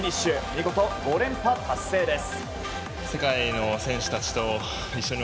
見事、５連覇達成です。